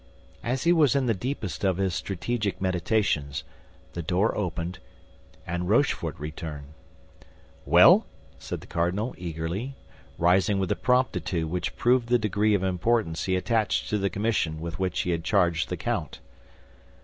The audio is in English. As he was in the deepest of his strategic meditations, the door opened, and Rochefort returned. "Well?" said the cardinal, eagerly, rising with a promptitude which proved the degree of importance he attached to the commission with which he had charged the count.